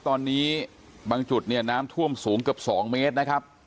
ตอนนี้บางจุดเนี่ยน้ำท่วมสูงเกือบ๒เมตรนะครับ